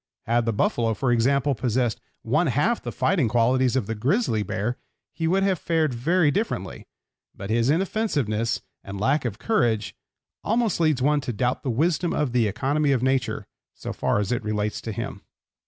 Had the buffalo, for example, possessed one half the fighting qualities of the grizzly bear he would have fared very differently, but his inoffensiveness and lack of courage almost leads one to doubt the wisdom of the economy of nature so far as it relates to him.